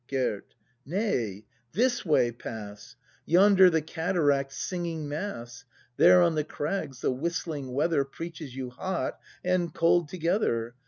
Gerd. Nay, this way pass! Yonder the cataract's singing Mass; There on the crags the whistling weather Preaches you hot and cold together.